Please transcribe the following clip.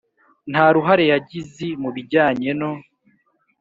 Ntaruhare yagizi mu bijyanye no